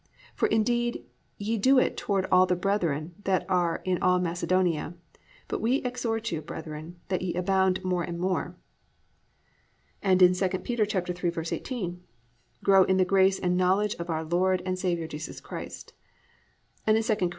... For indeed ye do it toward all the brethren that are in all Macedonia. But we exhort you, brethren, that ye abound more and more."+ And in II Pet. 3:18, +"Grow in the grace and knowledge of our Lord and Saviour Jesus Christ."+ And II Cor.